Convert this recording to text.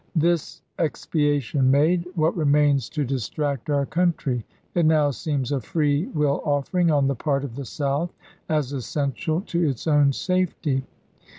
"* This expiation made, what remains to distract our country ? It now seems a free will offering on the part of the South as essential to its own safety.